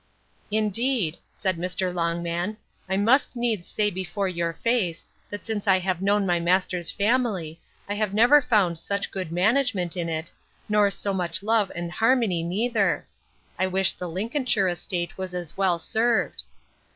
Indeed, said Mr. Longman, I must needs say before your face, that since I have known my master's family, I have never found such good management in it, nor so much love and harmony neither. I wish the Lincolnshire estate was as well served!